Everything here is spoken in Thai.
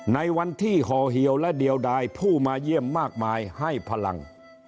ในวันที่ห่อเหี่ยวและเดียวดายผู้มาเยี่ยมมากมายให้พลัง